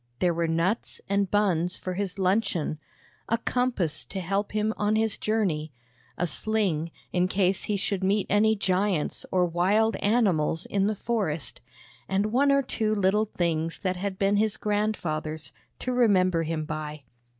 There were nuts and buns for his luncheon; a compass to help him on his journey; a sling, in case he should meet any giants or wild animals in the forest, and one or two little things that had been his grand father's, to remember him by.